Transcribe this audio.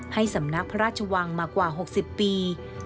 ให้สำนักพระราชวังมากว่า๖๐ปี